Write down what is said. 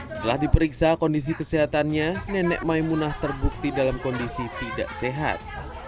setelah diperiksa kondisi kesehatannya nenek maimunah terbukti dalam kondisi tidak sehat